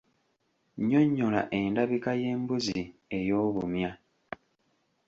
Nnyonnyola endabika y’embuzi ey’obumya.